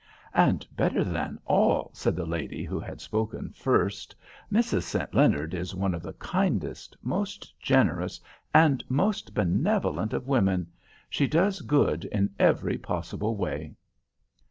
"And better than all," said the lady who had spoken firsts "Mrs. St. Leonard is one of the kindest, most generous, and most benevolent of women—she does good in every possible way."